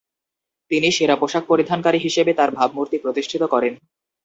তিনি সেরা পোশাক পরিধানকারী হিসেবে তার ভাবমূর্তি প্রতিষ্ঠিত করেন।